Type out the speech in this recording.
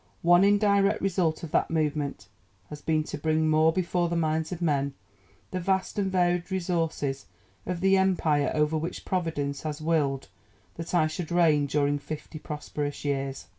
One indirect result of that movement has been to bring more before the minds of men the vast and varied resources of the Empire over which Providence has willed that I should reign during fifty prosperous years.